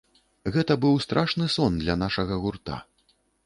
Гэта быў страшны сон для нашага гурта.